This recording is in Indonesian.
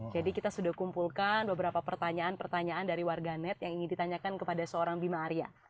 jadi kita sudah kumpulkan beberapa pertanyaan pertanyaan dari warga net yang ingin ditanyakan kepada seorang bima arya